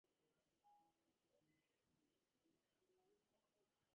Their dress and style of music caused controversy in their time.